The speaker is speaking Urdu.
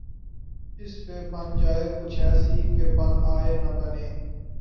اس پہ بن جائے کچھ ایسی کہ بن آئے نہ بنے